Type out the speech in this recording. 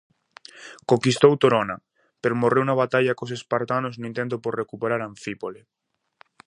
Conquistou Torona pero morreu na batalla cos espartanos no intento por recuperar Anfípole.